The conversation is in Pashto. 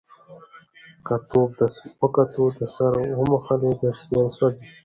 که توپ د وکټو سره وموښلي، بېټسمېن سوځي.